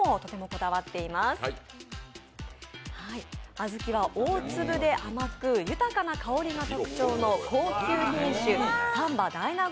小豆は大粒で甘く豊かな香りが特徴の高級品種、丹波大納言